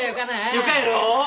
よかやろ。